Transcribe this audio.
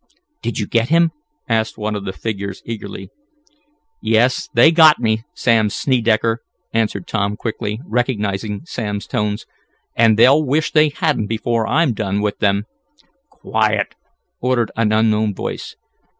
"Did you get him?" asked one of these figures eagerly. "Yes, they got me, Sam Snedecker," answered Tom quickly, recognizing Sam's tones. "And they'll wish they hadn't before I'm done with them." "Quiet!" ordered an unknown voice.